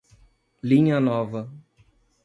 Linha Nova